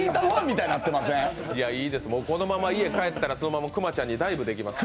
このまま家帰ったらそのまま熊ちゃんにダイブできますから。